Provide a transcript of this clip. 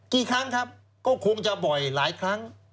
กี่ครั้งครับก็คงจะบ่อยหลายครั้ง